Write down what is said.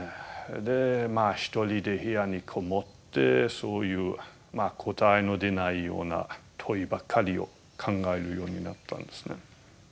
でまあ一人で部屋に籠もってそういう答えの出ないような問いばっかりを考えるようになったんですね。